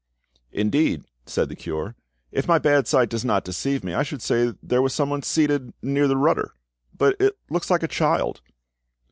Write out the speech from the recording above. "Indeed," said the cure, "if my bad sight does not deceive me, I should say there was someone seated near the rudder; but it looks like a child."